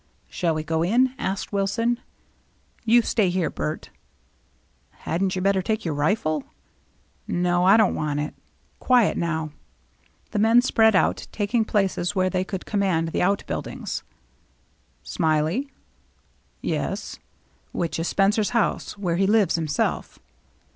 " Shall we go in ?" asked Wilson. " You stay here, Bert." " Hadn't you better take your rifle ?"" No, I don't want it. Quiet now." The men spread out, taking places where they could command the outbuildings. "Smiley?" "Yes." "Which is Spencer's house — where he lives himself?"